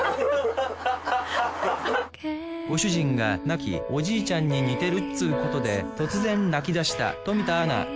ご主人が亡きおじいちゃんに似てるっつうことで突然泣き出した冨田アナ。